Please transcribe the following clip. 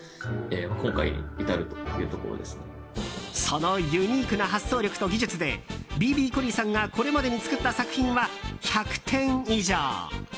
そのユニークな発想力と技術でＢＢコリーさんがこれまでに作った作品は１００点以上。